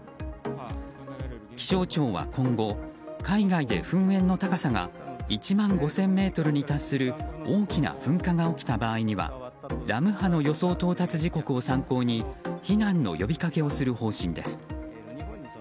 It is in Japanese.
気象庁は今後海外で噴煙の高さが１万５０００ｍに達する大きな噴火が起きた場合にはラム波の予想到達時刻を参考に避難の呼びかけをする方針です。